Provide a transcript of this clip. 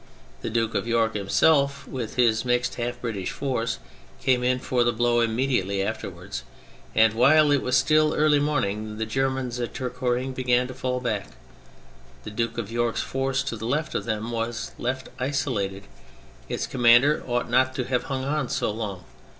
The Duke of York himself, with his mixed, half British force, came in for the blow imme diately afterwards, and while it was still early morning. The Germans at Tourcoing began to fall back. The Duke of York's force, to the left of them, was left isolated : its commander ought not to have hung on so long.